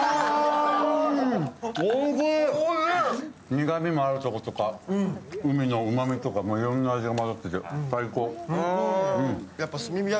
おいしい、苦みもあるところとか、海のうまみとかいろんな味が混ざってて最高。